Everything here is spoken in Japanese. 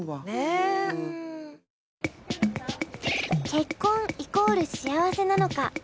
結婚イコール幸せなのか。